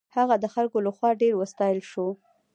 هغه د خلکو له خوا ډېر وستایل شو.